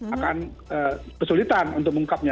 akan kesulitan untuk mengungkapnya